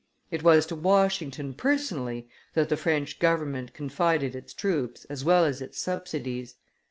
It was to Washington personally that the French government confided its troops as well as its subsidies.